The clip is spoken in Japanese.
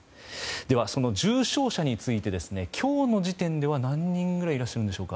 その重症者について今日の時点では何人ぐらいいらっしゃるんでしょうか。